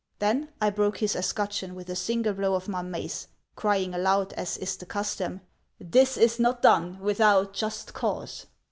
Then I broke his escutcheon with a single blow of my mace, crying aloud, as is the custom, 'This is not done without just cause!'